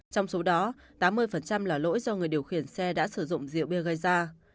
trong số đó tám mươi là lỗi do người điều khiển xe đã sử dụng rượu bia gây ra